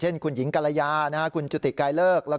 ท่านก็ย้อนถามผู้สิทธิ์ข่าวบอกว่า